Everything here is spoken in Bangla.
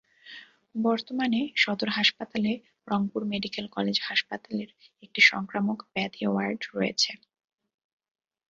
বর্তমানে সদর হাসপাতালে রংপুর মেডিকেল কলেজ হাসপাতালের একটি সংক্রামক ব্যাধি ওয়ার্ড রয়েছে।